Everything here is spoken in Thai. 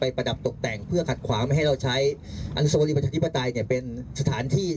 ไปประดับตกแต่งเพื่อขัดขวางไม่ให้เราใช้เงี่ยเป็นสถานที่